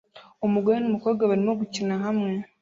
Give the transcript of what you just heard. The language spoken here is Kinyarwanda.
Umugore numukobwa barimo gukina hamwe